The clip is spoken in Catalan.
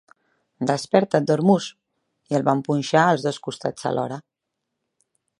"Desperta't, Dormouse!", i el van punxar als dos costats alhora.